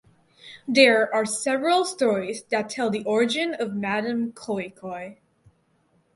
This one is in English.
There are several stories that tell the origin of Madam Koi Koi.